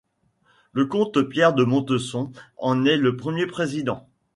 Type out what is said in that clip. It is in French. Le comte Pierre de Montesson en est le premier président.